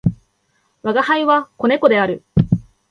吾輩は、子猫である。